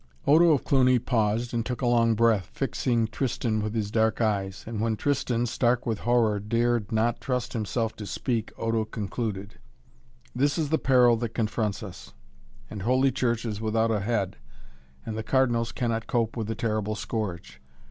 Odo of Cluny paused and took a long breath, fixing Tristan with his dark eyes. And when Tristan, stark with horror, dared not trust himself to speak, Odo concluded: "This is the peril that confronts us! And Holy Church is without a head, and the cardinals cannot cope with the terrible scourge.